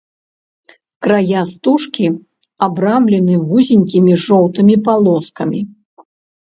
Края стужкі абрамлены вузенькімі жоўтымі палоскамі.